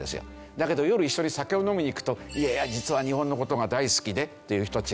だけど夜一緒に酒を飲みに行くと実は日本の事が大好きでと言う人たちがいる。